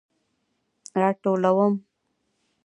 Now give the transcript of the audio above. راټولوم